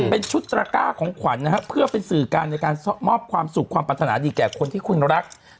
เป็นชุดตระก้าของขวัญนะครับเพื่อเป็นสื่อการในการมอบความสุขความปรัฐนาดีแก่คนที่คุณรัก